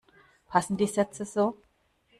Passen die Sätze so?